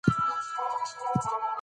مینه د انسانیت ژبه ده.